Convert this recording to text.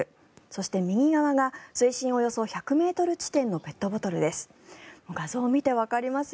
そして右側が水深およそ１００ｍ地点のペットボトルです。